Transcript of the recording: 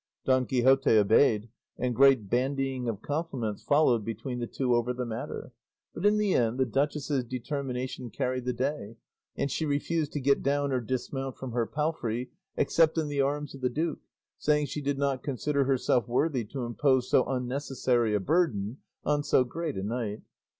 Don Quixote obeyed, and great bandying of compliments followed between the two over the matter; but in the end the duchess's determination carried the day, and she refused to get down or dismount from her palfrey except in the arms of the duke, saying she did not consider herself worthy to impose so unnecessary a burden on so great a knight.